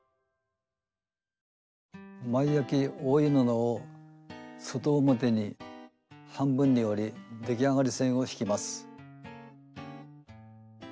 前あき覆い布を外表に半分に折り出来上がり線を引きます。